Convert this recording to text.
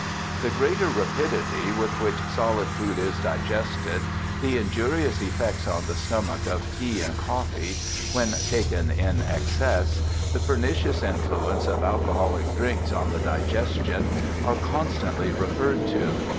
The greater rapidity with which solid food is digested, the injurious effects on the stomach of tea and coffee, 176 BIOGRAPHICAL ESSAYS when taken in excess, the pernicious influence of alco holic drinks on the digestion, are constantly referred to.